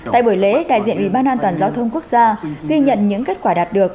tại buổi lễ đại diện ủy ban an toàn giao thông quốc gia ghi nhận những kết quả đạt được